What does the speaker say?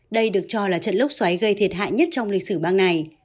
đây được cho là trận lốc xoáy gây thiệt hại nhất trong lịch sử bang này